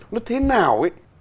nó thế nào ấy